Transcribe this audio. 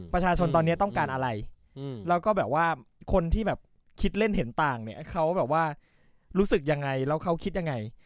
ประชาชนตอนนี้ต้องการอะไรแล้วก็แบบว่าคนที่แบบคิดเล่นเห็นต่างเนี่ยเขาแบบว่ารู้สึกยังไงแล้วเขาคิดยังไง